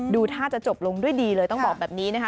ดูท่าจะจบลงด้วยดีเลยต้องบอกแบบนี้นะคะ